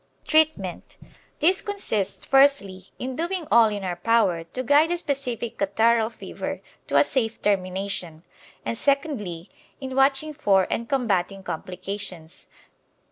Treatment This consists firstly in doing all in our power to guide the specific catarrhal fever to a safe termination; and, secondly, in watching for and combating complications.